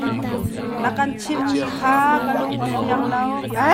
Na kan chimhmi kha kan lung a fiang lo.